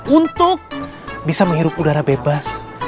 untuk bisa menghirup udara bebas